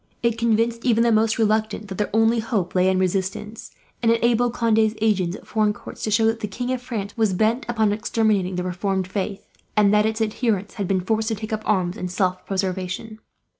It convinced even the most reluctant that their only hope lay in resistance; and enabled Conde's agents, at foreign courts, to show that the King of France was bent upon exterminating the reformed faith, and that its adherents had been forced to take up arms, in self preservation.